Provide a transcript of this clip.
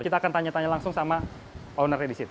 kita akan tanya tanya langsung sama ownernya di situ